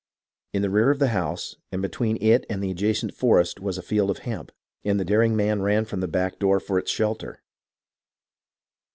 In the rear of the house, and between it and the adjacent forest, was a field of hemp ; and the daring man ran from the back door for its shelter.